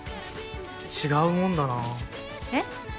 違うもんだなぁ。えっ？